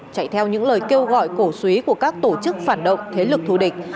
chạy theo những lời kêu gọi cổ suý của các tổ chức phản động thế lực thù địch